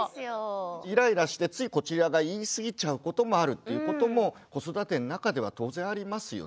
イライラしてついこちらが言い過ぎちゃうこともあるということも子育ての中では当然ありますよね。